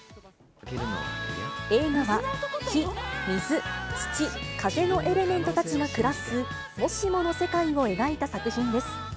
映画は、火、水、土、風のエレメントたちが暮らす、もしもの世界を描いた作品です。